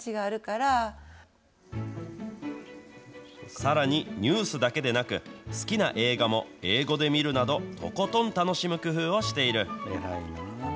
さらにニュースだけでなく、好きな映画も英語で見るなど、とことん楽しむ工夫をしている。